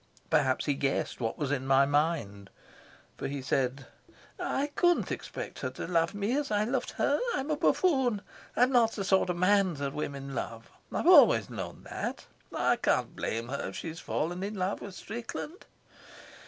Perhaps he guessed what was in my mind, for he said: "I couldn't expect her to love me as I loved her. I'm a buffoon. I'm not the sort of man that women love. I've always known that. I can't blame her if she's fallen in love with Strickland."